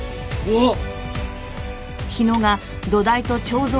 おっ！